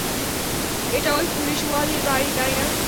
এটা ওই পুলিশওয়ালীর বাড়ি, তাই না?